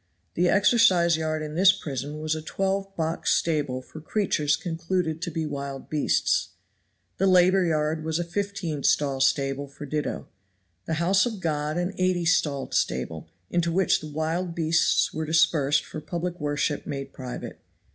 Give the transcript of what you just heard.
The exercise yard in this prison was a twelve box stable for creatures concluded to be wild beasts. The labor yard was a fifteen stall stable for ditto. The house of God an eighty stalled stable, into which the wild beasts were dispersed for public worship made private.